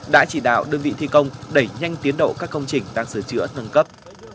đã chỉ đạo đơn vị thi công đẩy nhanh tiến độ các công trình đang sửa chữa nâng cấp